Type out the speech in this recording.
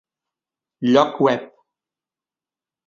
Lloc web